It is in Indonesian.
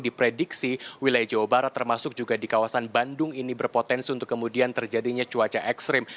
diprediksi wilayah jawa barat termasuk juga di kawasan bandung ini berpotensi untuk kemudian terjadinya cuaca ekstrim